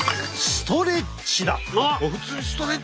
ストレッチ。